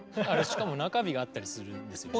しかも中日があったりするんですよね？